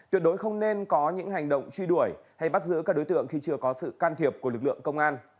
tuyệt đối không nên có những hành động truy đuổi hay bắt giữ các đối tượng khi chưa có sự can thiệp của lực lượng công an